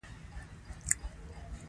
حمله وکړي.